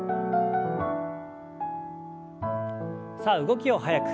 さあ動きを速く。